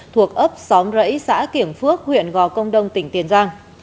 thuộc ấp xóm rẫy xã kiểng phước huyện gò công đông tỉnh tiền giang